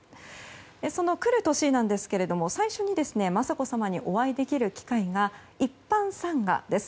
その来る年なんですが最初に雅子さまにお会いできる機会が一般参賀です。